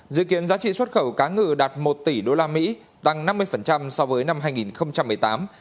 dự kiến giá trị xuất khẩu cá ngừ đạt một tỷ đô la mỹ tăng năm mươi so với năm hai nghìn một mươi tám